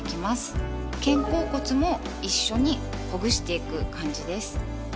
肩甲骨も一緒にほぐしていく感じです。